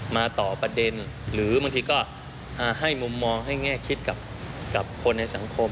มาต่อประเด็นหรือบางทีก็ให้มุมมองให้แง่คิดกับคนในสังคม